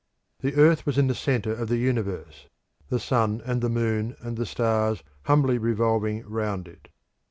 The earth was in the centre of the universe; the sun and the moon and the stars humbly revolving round it.